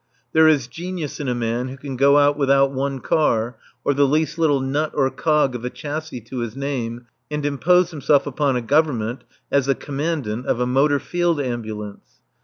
There is genius in a man who can go out without one car, or the least little nut or cog of a châssis to his name, and impose himself upon a Government as the Commandant of a Motor Field Ambulance.